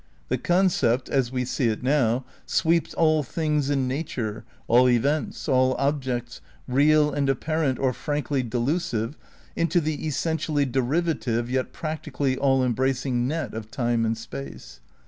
The concept, as we see it now, sweeps all things in nature, all events, all objects, real and apparent or frankly delusive, into the essentially derivative yet practically all embracing net of time and space.